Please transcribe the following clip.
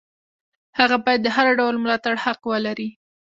هغه باید د هر ډول ملاتړ حق ولري.